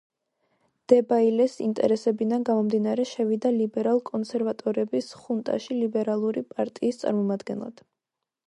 დებაილეს ინტერესებიდან გამომდინარე შევიდა ლიბერალ-კონსერვატორების ხუნტაში ლიბერალური პარტიის წარმომადგენლად.